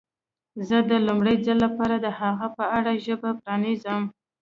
زه د لومړي ځل لپاره د هغه په اړه ژبه پرانیزم.